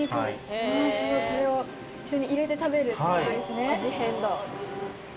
すごいこれを入れて食べるってことですね。